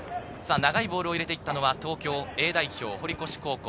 長いボールを入れていったのは東京Ａ代表・堀越高校。